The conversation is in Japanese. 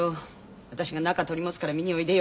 私が仲取り持つから見においでよ」